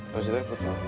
taruh situ ya